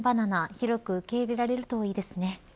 広く受けいれられるといいですね。